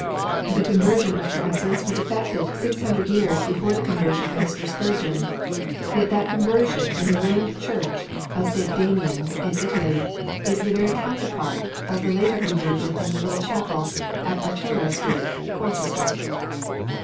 The conversion of Francis was effected six hundred years before the conversion of Mr. Spurgeon. Yet that conversion in the ruined church of St. Damian's in Italy is the very counterpart of that later conversion in the little chapel at Artillery Street, Colchester.